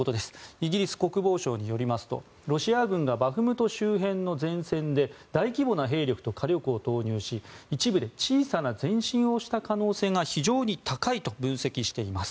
イギリス国防省によりますとロシア軍がバフムト周辺の前線で大規模な兵力と火力を投入し一部で小さな前進をした可能性が非常に高いと分析しています。